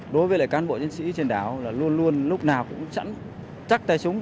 đối với cán bộ chiến sĩ trên đảo là luôn luôn lúc nào cũng chẳng chắc tay súng